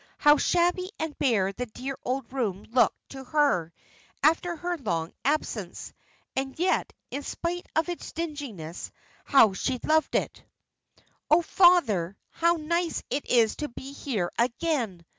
How shabby and bare the dear old room looked to her, after her long absence! And yet, in spite of its dinginess, how she loved it! "Oh, father, how nice it is to be here again!"